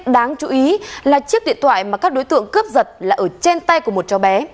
đáng chú ý là chiếc điện thoại mà các đối tượng cướp giật là ở trên tay của một cháu bé